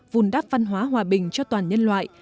vùn đáp văn hóa hòa bình cho toàn nhân loại